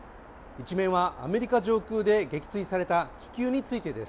１面はアメリカ上空で撃墜された気球についてです。